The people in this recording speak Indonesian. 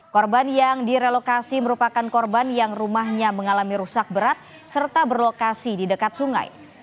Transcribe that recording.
korban yang direlokasi merupakan korban yang rumahnya mengalami rusak berat serta berlokasi di dekat sungai